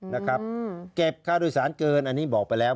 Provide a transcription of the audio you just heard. นะครับเก็บค่าโดยสารเกินอันนี้บอกไปแล้ว